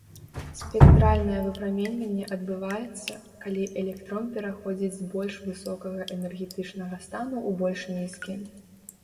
Спектральнае выпраменьванне адбываецца, калі электрон пераходзіць з больш высокага энергетычнага стану ў больш нізкі.